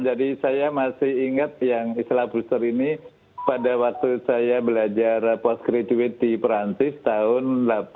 jadi saya masih ingat yang islah booster ini pada waktu saya belajar post graduate di prancis tahun seribu sembilan ratus delapan puluh tiga